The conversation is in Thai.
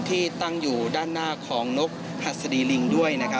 ที่ตั้งอยู่ด้านหน้าของนกหัสดีลิงด้วยนะครับ